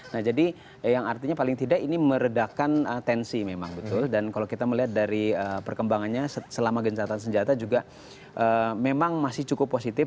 nah jadi yang artinya paling tidak ini meredakan tensi memang betul dan kalau kita melihat dari perkembangannya selama gencatan senjata juga memang masih cukup positif